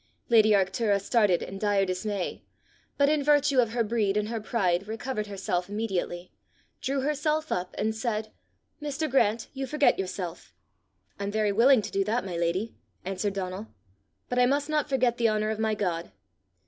Lady Arctura started in dire dismay, but in virtue of her breed and her pride recovered herself immediately, drew herself up, and said "Mr. Grant, you forget yourself!" "I'm very willing to do that, my lady," answered Donal, "but I must not forget the honour of my God.